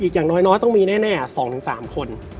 อย่างน้อยต้องมีแน่๒๓คน